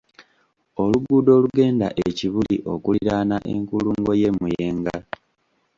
Oluguudo olugenda e Kibuli okuliraana enkulungo y’e Muyenga.